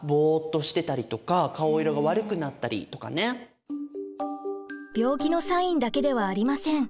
例えば病気のサインだけではありません。